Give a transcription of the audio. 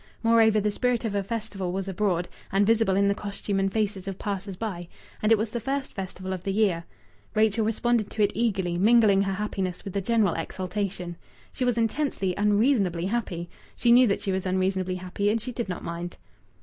Moreover, the spirit of a festival was abroad, and visible in the costume and faces of passers by; and it was the first festival of the year. Rachel responded to it eagerly, mingling her happiness with the general exultation. She was intensely, unreasonably happy. She knew that she was unreasonably happy; and she did not mind.